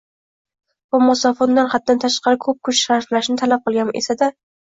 bu masofa undan haddan tashqari ko‘p kuch sarflashni talab qilgan esa-da